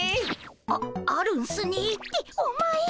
ああるんすねってお前。